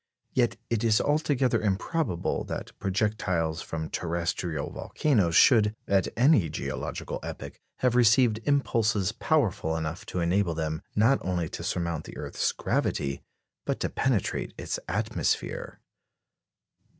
Yet it is altogether improbable that projectiles from terrestrial volcanoes should, at any geological epoch, have received impulses powerful enough to enable them, not only to surmount the earth's gravity, but to penetrate its atmosphere.